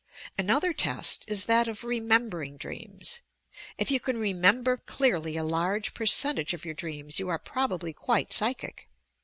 Another test is that of remembering dreams. If you can remember clearly a large percentage of your dreams, you are probably quite psychic.